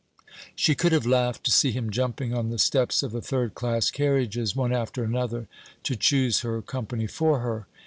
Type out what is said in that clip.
She could have laughed to see him jumping on the steps of the third class carriages one after another to choose her company for her.